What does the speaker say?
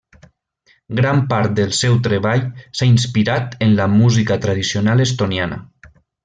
Gran part del seu treball s'ha inspirat en la música tradicional estoniana.